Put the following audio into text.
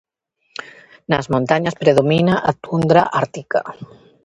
Nas montañas predomina a tundra ártica.